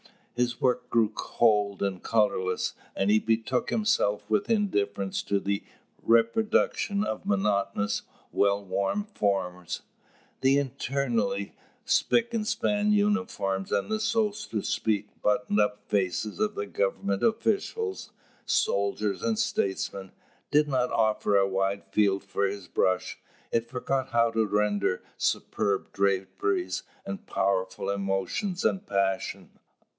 His work grew cold and colourless; and he betook himself with indifference to the reproduction of monotonous, well worn forms. The eternally spick and span uniforms, and the so to speak buttoned up faces of the government officials, soldiers, and statesmen, did not offer a wide field for his brush: it forgot how to render superb draperies and powerful emotion and passion.